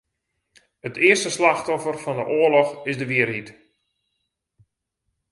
It earste slachtoffer fan 'e oarloch is de wierheid.